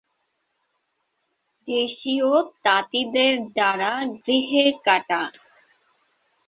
দেশীয় তাঁতিদের দ্বারা গৃহে-কাটা।